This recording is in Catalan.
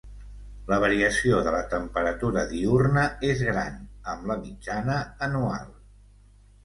La variació de la temperatura diürna és gran, amb la mitjana anual.